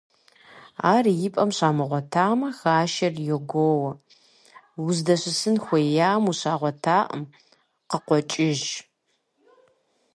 Ар и пӀэм щамыгъуэтамэ, хашэр йогуо: уздэщысын хуеям ущагъуэтакъым, къыкъуэкӀыж.